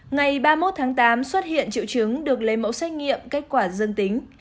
ngày ba mươi một tháng tám xuất hiện triệu chứng được lấy mẫu xét nghiệm kết quả dương tính